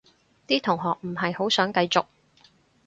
啲同學唔係好想繼續